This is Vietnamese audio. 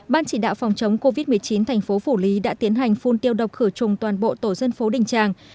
ban chỉ đạo phòng chống covid một mươi chín thành phố phủ lý đã tiến hành phun tiêu độc khử trùng toàn bộ tổ dân phố đình tràng